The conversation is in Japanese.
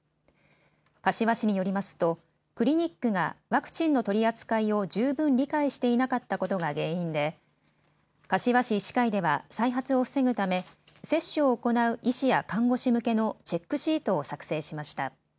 柏市によりますとクリニックがワクチンの取り扱いを十分理解していなかったことが原因で柏市医師会では再発を防ぐため接種を行う医師や看護師向けのチェックシートを作成しました。